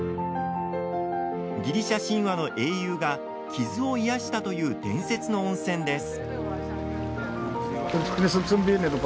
ギリシャ神話の英雄が傷を癒やしたという伝説の温泉です。